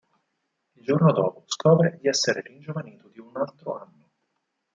Il giorno dopo scopre di essere ringiovanito di un altro anno.